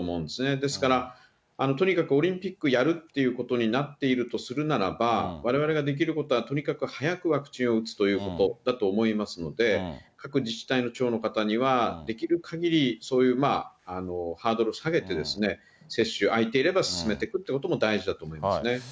ですからとにかくオリンピックやるっていうことになっているとするならば、われわれができることは、とにかく早くワクチンを打つということだと思いますので、各自治体の長の方には、できるかぎりそういうハードルを下げて、接種、空いていれば進めていくということも大事だと思いますね。